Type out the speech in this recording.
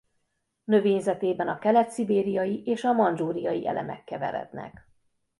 Növényzetében a kelet-szibériai és a mandzsúriai elemek keverednek.